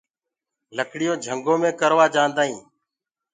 لڪڙيونٚ جھنٚگو مي ڪروآ جآنٚدآئينٚ